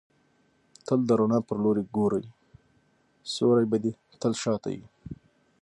تل د رڼا پر لوري ګورئ! سیوری به دي تل شاته يي.